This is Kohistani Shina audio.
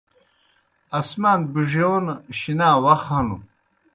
آسمان بِڙِیون شِنا وخ ہنوْ۔